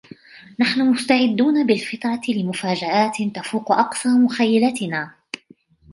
نحن مستعدون بالفطرة لمفاجآت تفوق أقصى مخيلتنا.